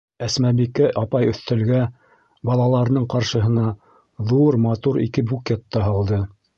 Әсмәбикә апай өҫтәлгә, балаларының ҡаршыһына, ҙур, матур ике букет та һалды.